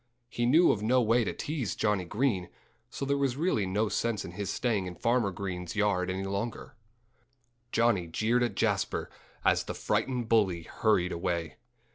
He knew of no way to tease Johnnie Green; so there was really no sense in his staying in Farmer Green's yard any longer. Johnnie jeered at Jasper as the frightened bully hurried away.